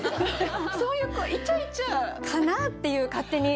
そういうイチャイチャ。かな？っていう勝手に。